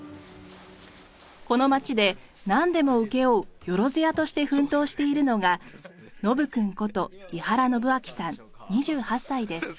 この町でなんでも請け負う「よろづや」として奮闘しているのがノブくんこと伊原伸尭さん２８歳です。